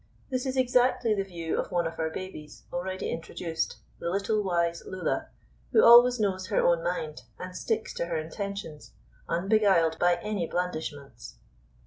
This is exactly the view of one of our babies, already introduced, the little wise Lulla, who always knows her own mind and sticks to her intentions, unbeguiled by any blandishments.